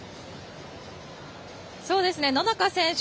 野中選手